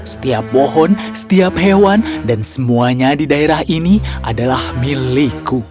setiap pohon setiap hewan dan semuanya di daerah ini adalah milikku